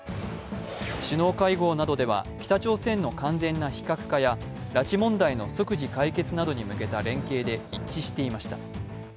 首脳会合などでは、北朝鮮の完全な非核化や拉致問題の即時解決などに向けた連携で一致していました。